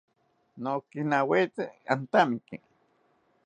Nikinawete antamiki